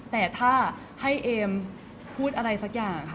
แต่ถ้าให้เอมพูดอะไรสักอย่างค่ะ